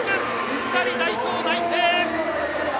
２人代表内定！